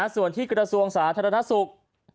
ส่วนที่กระทรวงสาธารณสุข